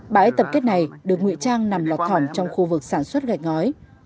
bãi tập kết này được ngụy trang nằm lọt thỏng trong khu vực sản xuất gạch ngói